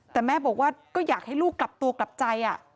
แต่แม่บอกว่าก็อยากให้ลูกกลับตัวกลับใจ